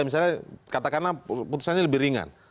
misalnya katakanlah putusannya lebih ringan